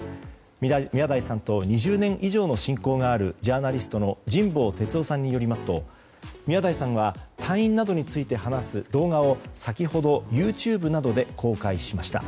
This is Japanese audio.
宮台さんと２０年以上の親交があるジャーナリストの神保哲生さんによると宮台さんは退院などについて話す動画を先ほどＹｏｕＴｕｂｅなどで公開しました。